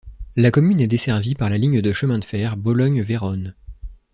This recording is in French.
La commune est desservie par la ligne de chemin de fer Bologne-Vérone.